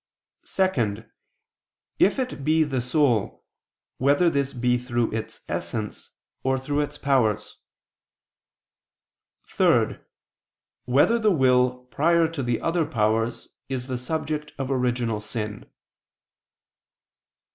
(2) If it be the soul, whether this be through its essence, or through its powers? (3) Whether the will prior to the other powers is the subject of original sin?